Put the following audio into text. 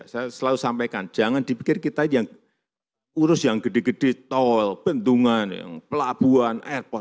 saya selalu sampaikan jangan dipikir kita yang urus yang gede gede tol bendungan pelabuhan airport